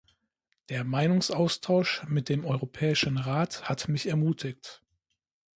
Der Meinungsaustausch mit dem Europäischen Rat hat mich ermutigt.